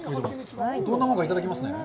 どんなもんか、いただきますね。